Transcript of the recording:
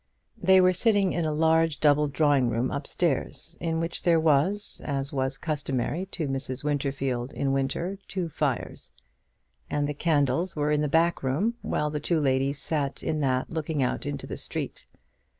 They were sitting in a large double drawing room upstairs, in which there were, as was customary with Mrs. Winterfield in winter, two fires; and the candles were in the back room, while the two ladies sat in that looking out into the street.